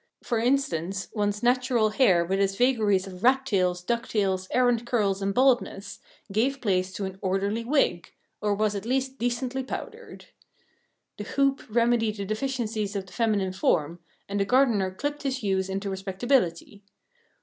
For instance, one's natural hair with its vagaries of rat's tails, duck's tails, errant curls, and baldness, gave place to an orderly wig, or was at least decently powdered. The hoop remedied the deficiencies of the feminine form, and the gardener clipped his yews into respectability.